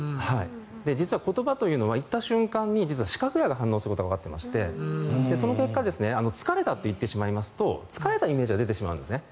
実は言葉というのは言った瞬間に視覚野が反応することがわかってましてその結果疲れたと言ってしまいますと疲れたイメージが出てしまうんですね。